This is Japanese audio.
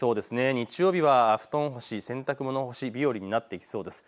日曜日は布団干し、洗濯物干し日和になってきそうです。